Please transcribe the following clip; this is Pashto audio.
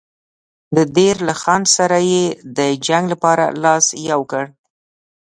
د دیر له خان سره یې د جنګ لپاره لاس یو کړ.